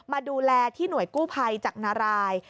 มาดูแลที่หน่วยกู้ภัยจากนาราย